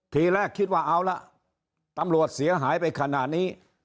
ทีแรกคิดว่าเอาละตำรวจเสียหายไปขนาดนี้